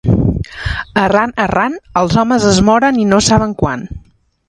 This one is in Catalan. Errant, errant, els homes es moren i no saben quan.